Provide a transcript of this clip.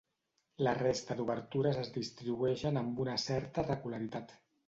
La resta d'obertures es distribueixen amb una certa regularitat.